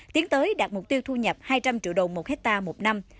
tiến tới đạt mục tiêu thu nhập hai trăm linh triệu đồng một hectare một năm